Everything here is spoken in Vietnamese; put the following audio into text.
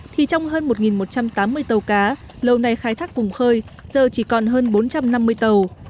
thì trong hơn một một trăm tám mươi tàu cá lâu nay khai thác vùng khơi giờ chỉ còn hơn bốn trăm năm mươi tàu